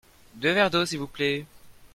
Deux verres d'eau s'il vous plait.